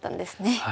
はい。